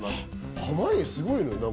濱家すごいのよ。